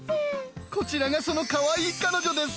こちらがそのかわいい彼女です。